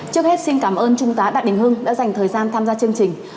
trước hết xin cảm ơn trung tá đặng đình hưng đã dành thời gian tham gia chương trình